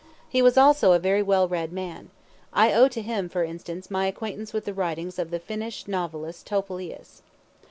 He was also a very well read man I owe to him, for instance, my acquaintance with the writings of the Finnish novelist Topelius.